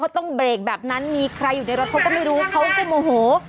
เขาต้องเบรกแบบนั้นมีใครอยู่ในรถเขาก็ไม่รู้เขาก็โมโห